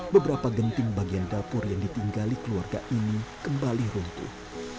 beberapa genting bagian dapur yang ditinggali keluarga ini kembali runtuh